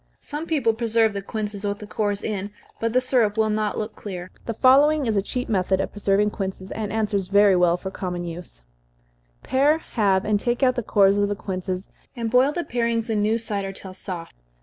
Some people preserve the quinces with the cores in, but the syrup will not look clear. The following is a cheap method of preserving quinces, and answers very well for common use: Pare, halve, and take out the cores of the quinces, and boil the parings in new cider till soft.